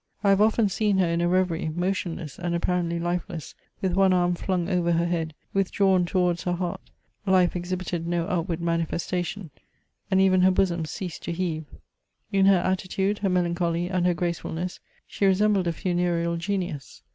I have often seen her in a reverie, motionless, and apparently Ufeless, with one arm dung over her head ; withdrawn towards her heart, fife exhibited no outward manifestation — and even her bosom ceased to heave. In her attitude, her melancholy, and her gracefulness, she resembled a funereal genius.